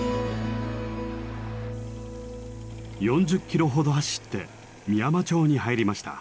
４０キロほど走って美山町に入りました。